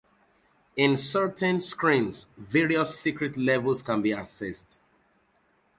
In certain screens various secret levels can be accessed.